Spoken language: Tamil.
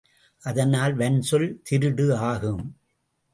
அதனால் வன்சொல் திருடு ஆகும்.